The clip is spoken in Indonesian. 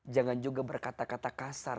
jangan juga berkata kata kasar